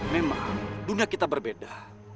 memang dunia kita berbeda